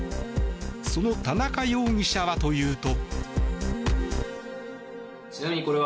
その田中容疑者はというと。